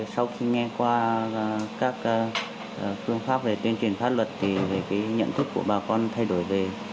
sau khi nghe qua các phương pháp về tuyên truyền pháp luật về nhận thức của bà con thay đổi về